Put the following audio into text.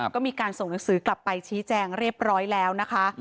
ก็มีการส่งหนังสือกลับไปชี้แจงเรียบร้อยแล้วนะคะ